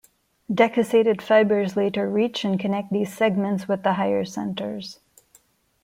Decussated fibers later reach and connect these segments with the higher centers.